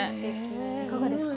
いかがですか？